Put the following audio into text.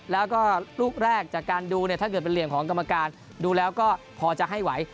แล้วก็ลูกแรกจากการดูเนี่ยถ้าเกิดเป็นเหลี่ยมของกรรมการดูแล้วก็พอจะให้ไหว